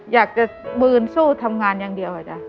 อยากจะมืนสู้ทำงานอย่างเดียวอะจ๊ะ